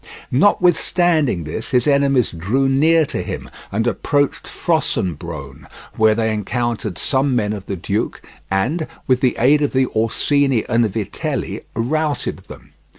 Notwithstanding this, his enemies drew near to him, and approached Fossombrone, where they encountered some men of the duke and, with the aid of the Orsini and Vitelli, routed them.